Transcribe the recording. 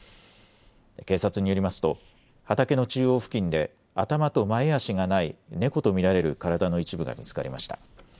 警察によりますと畑の中央付近で頭と前足がない猫と見られる体の一部が見つかりました。